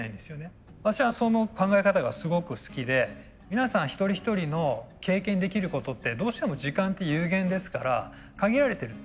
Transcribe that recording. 私はその考え方がすごく好きで皆さん一人一人の経験できることってどうしても時間って有限ですから限られてる。